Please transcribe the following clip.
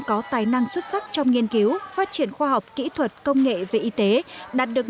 có tài năng xuất sắc trong nghiên cứu phát triển khoa học kỹ thuật công nghệ về y tế đạt được